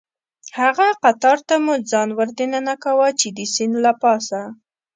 هغه قطار ته مو ځان وردننه کاوه، چې د سیند له پاسه.